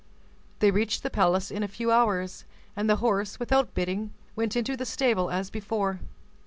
They reached the palace in a very few hours, and the horse, without bidding, went into the stable as before.